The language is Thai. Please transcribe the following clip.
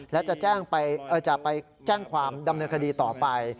และจะไปแจ้งความดำเนินคดีต่อไป